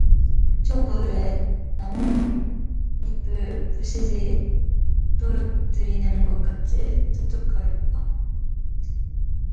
초가을에 나뭇잎을 부시시 떨어뜨리는 것 같이 적적하였다.